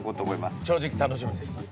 正直楽しみです。